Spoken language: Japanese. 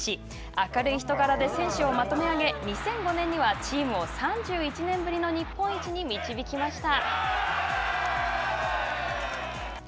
明るい人柄で選手をまとめあげ、２００５年にはチームを３１年ぶりの日本一にまとめました。